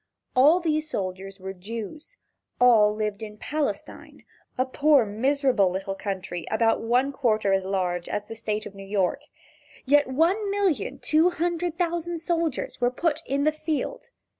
All these soldiers were Jews all lived in Palestine, a poor miserable little country about one quarter as large as the State of New York. Yet one million two hundred thousand soldiers were put in the field.